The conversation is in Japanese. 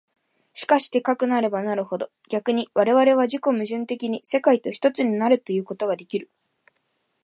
しかしてかくなればなるほど、逆に我々は自己矛盾的に世界と一つになるということができる。